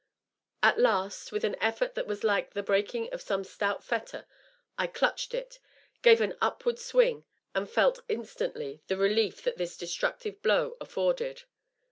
At last, with an effort that was like the breaking of some stout fetter, I clutched it, gave it an upward swing, and felt instantly the relief that this destructive blow afforded.